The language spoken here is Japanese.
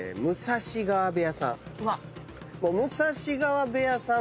武蔵川部屋さん。